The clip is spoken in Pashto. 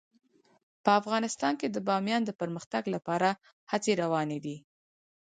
په افغانستان کې د بامیان د پرمختګ لپاره هڅې روانې دي.